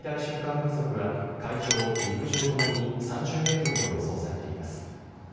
風速は海上、陸上ともに３０メートルと予想されています。